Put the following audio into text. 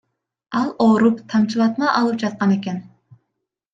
Ал ооруп, тамчылатма алып жаткан экен.